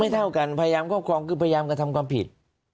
เท่ากันพยายามครอบครองคือพยายามกระทำความผิด